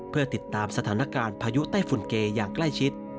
เพื่อติดตามสถานการณ์พายุไต้ฝุ่นเกอย่างใกล้ชิด